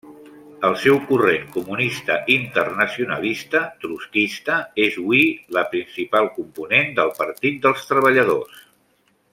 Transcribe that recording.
El seu Corrent Comunista Internacionalista, trotskista, és hui la principal component del Partit dels Treballadors.